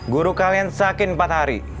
guru kalian sakit empat hari